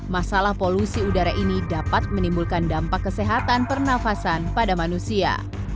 masalah polusi udara ini dapat menimbulkan dampak kesehatan pernafasan pada manusia